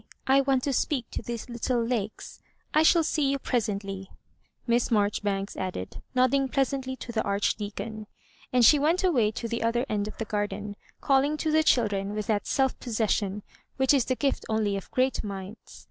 I want to speak to these little Lakes. I shall see you presently," Miss Marjoribanks added, nodding pleasantly to the Archdeacon — and she went away to the other end of tlie garden, calling to the children with that self possession which is the gift only of great minds.